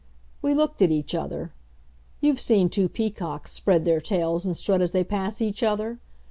We looked at each other. You've seen two peacocks spread their tails and strut as they pass each other?